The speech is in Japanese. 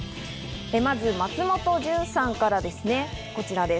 まずは松本潤さんからです。